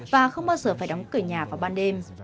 và không bao giờ phải đóng cửa nhà vào ban đêm